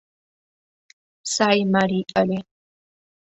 Сай марий ыле...